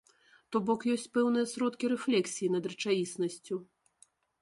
То бок ёсць пэўныя сродкі рэфлексіі над рэчаіснасцю.